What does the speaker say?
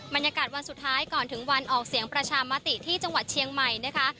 บรรยากาศวันสุดท้ายก่อนถึงวันออกเสียงประชามติที่จังหวัดเชียงใหม่นะคะ